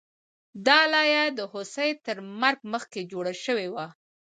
دا لایه د هوسۍ تر مرګ مخکې جوړه شوې وه